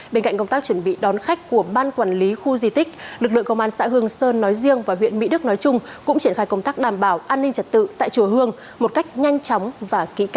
bên cạnh công tác chuẩn bị đón khách của ban quản lý khu di tích lực lượng công an xã hương sơn nói riêng và huyện mỹ đức nói chung cũng triển khai công tác đảm bảo an ninh trật tự tại chùa hương một cách nhanh chóng và kỹ cả